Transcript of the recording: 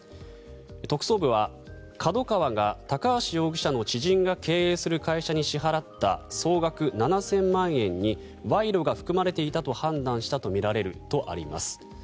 特捜部はＫＡＤＯＫＡＷＡが高橋容疑者の知人が経営する会社に支払った総額７０００万円に賄賂が含まれていたと判断したとみられるとあります。